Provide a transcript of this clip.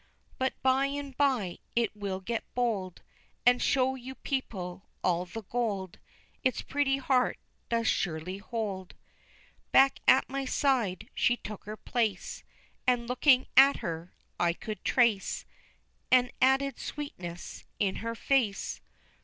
But by and by it will get bold, And show you people all the gold Its pretty heart does surely hold." Back at my side she took her place, And looking at her, I could trace An added sweetness in her face.